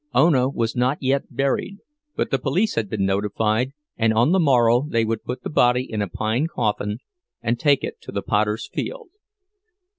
Ona was not yet buried; but the police had been notified, and on the morrow they would put the body in a pine coffin and take it to the potter's field.